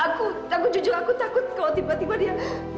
aku aku jujur aku takut kalau tiba tiba dia